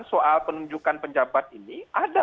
soal penunjukan penjabat ini ada